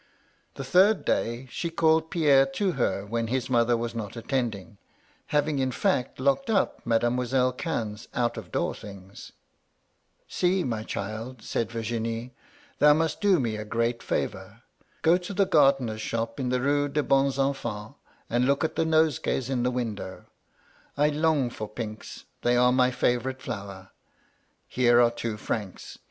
The third day, she called Pierre to her, when his mother was not attending (having, in fact, locked up Mademoiselle Cannes' out of door things). 162 MY LADY LUDLOW. "*See, my child,* said Virginie. *Thou must do me a great favour. Go to the gardener's shop in the Rue des Bons Enfans, and look at the nosegays in the window. I long for pinks; they are my &yourite flower. Here are two francs.